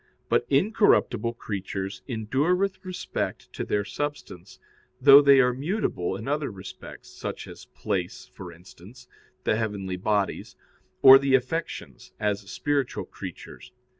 But incorruptible creatures endure with respect to their substance, though they are mutable in other respects, such as place, for instance, the heavenly bodies; or the affections, as spiritual creatures.